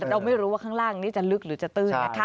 แต่เราไม่รู้ว่าข้างล่างนี้จะลึกหรือจะตื้นนะคะ